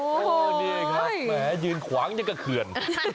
โอ้โหนี่ครับแหมยืนขวางอย่างกับเขื่อน